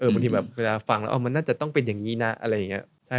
บางทีแบบเวลาฟังแล้วมันน่าจะต้องเป็นอย่างนี้นะอะไรอย่างนี้